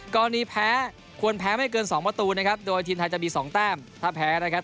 แพ้ควรแพ้ไม่เกินสองประตูนะครับโดยทีมไทยจะมีสองแต้มถ้าแพ้นะครับ